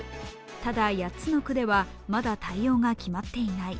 ただ８つの区ではまだ対応が決まっていない。